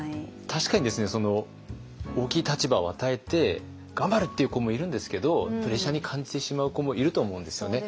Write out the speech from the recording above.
確かにですね大きい立場を与えて頑張るっていう子もいるんですけどプレッシャーに感じてしまう子もいると思うんですよね。